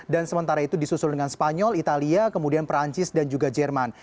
dan sementara itu disusul dengan spanyol italia kemudian perancis dan juga jerman